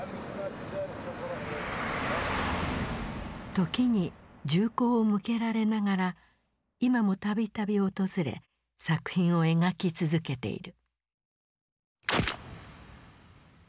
時に銃口を向けられながら今も度々訪れ作品を描き続けている。